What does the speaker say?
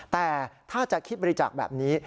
แต่ถ้าจะคิดบริจาคแบบนี้